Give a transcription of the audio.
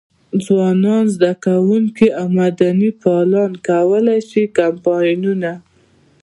ځوانان، زده کوونکي او مدني فعالان کولای شي کمپاینونه.